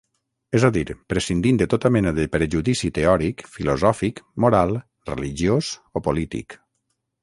És a dir, prescindint de tota mena de prejudici teòric, filosòfic, moral, religiós o polític.